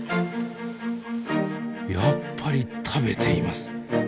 やっぱり食べています。